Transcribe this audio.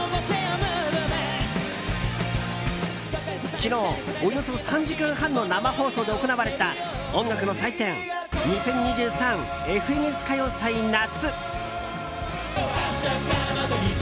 昨日、およそ３時間半の生放送で行われた音楽の祭典「２０２３ＦＮＳ歌謡祭夏」。